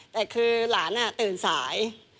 แต่คือหลานตื่นสาย